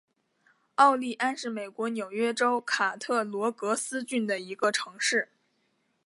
奥利安是美国纽约州卡特罗格斯郡的一个城市。